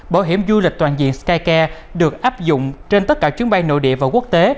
bảo hiểm du lịch toàn diện skycare được áp dụng trên tất cả chuyến bay nội địa và quốc tế